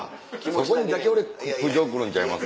そこにだけ俺苦情くるんちゃいます？